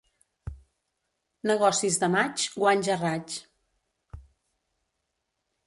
Negocis de maig, guanys a raig.